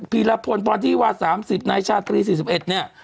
ผีระพลประวัติวาส๓๐ในชาติกรีศ๔๑เนี่ย